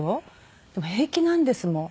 でも平気なんですもん。